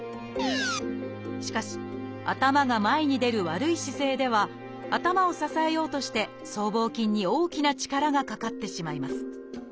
しかし頭が前に出る悪い姿勢では頭を支えようとして僧帽筋に大きな力がかかってしまいます。